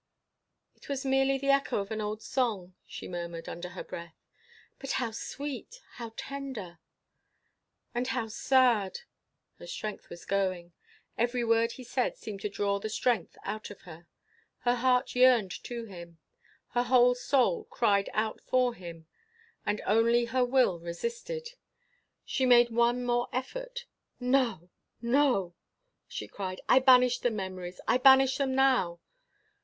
"It was merely the echo of an old song—" she murmured, under her breath. "But how sweet! How tender!" "And how sad!" Her strength was going. Every word he said seemed to draw the strength out of her. Her heart yearned to him; her whole soul cried out for him; and only her will resisted. She made one more effort. "No! No!" she cried, "I banished the memories! I banish them now!"